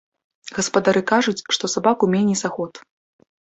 Гаспадары кажуць, што сабаку меней за год.